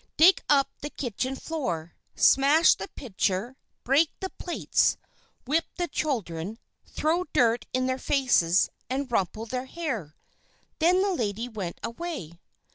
Dig up the kitchen floor, smash the pitcher, break the plates. Whip the children, throw dirt in their faces, and rumple their hair." Then the lady went away.